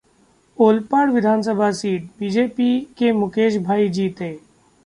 ओलपाड़ विधानसभा सीट: बीजेपी के मुकेशभाई जीते